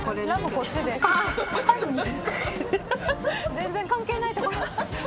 全然関係ないところ。